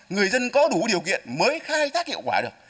người dân có đủ điều kiện mới khai thác hiệu quả được